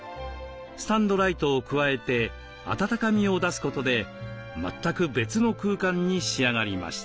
スタンドライトを加えてあたたかみを出すことで全く別の空間に仕上がりました。